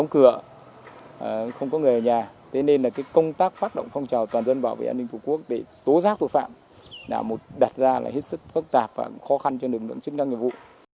công tác phát động phong trào toàn dân bảo vệ an ninh của quốc để tố giác tội phạm đã đặt ra là hết sức phức tạp và khó khăn cho lực lượng chức năng nghiệp vụ